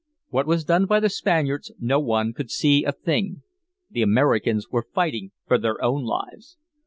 What was done by the Spaniards no one could see a thing. The Americans were fighting for their own lives.